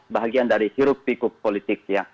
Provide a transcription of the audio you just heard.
bahagian dari hirupikup politik